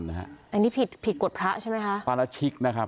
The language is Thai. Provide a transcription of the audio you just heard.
อันนี้ผิดกฎพระใช่ไหมคะ